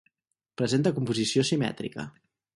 Presenta composició simètrica.